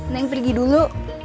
neng pergi dulu